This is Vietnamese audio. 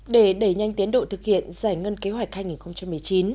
để đẩy nhanh tiến độ thực hiện giải ngân kế hoạch hai nghìn một mươi chín